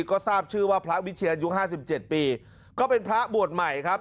ก็ทราบชื่อว่าพระวิเชียรอายุ๕๗ปีก็เป็นพระบวชใหม่ครับ